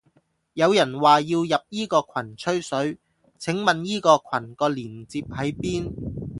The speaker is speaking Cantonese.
有人話要入依個羣吹水，請問依個羣個鏈接喺邊？